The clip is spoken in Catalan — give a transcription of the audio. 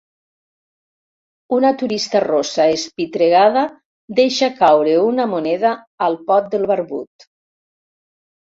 Una turista rossa espitregada deixa caure una moneda al pot del barbut.